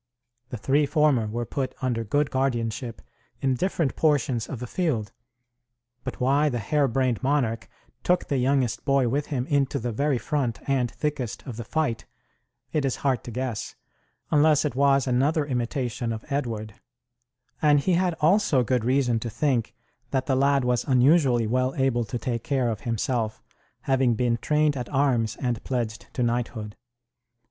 The three former were put under good guardianship in different portions of the field; but why the hair brained monarch took the youngest boy with him into the very front and thickest of the fight, it is hard to guess, unless it was another imitation of Edward, and he had also good reason to think that the lad was unusually well able to take care of himself, having been trained at arms and pledged to knighthood.